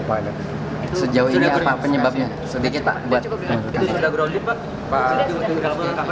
sejauh ini apa penyebabnya sedikit pak